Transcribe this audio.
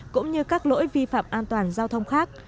cũng như các lỗi vi phạm an toàn giao thông khác